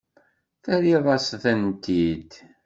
Terriḍ-as-tent-id.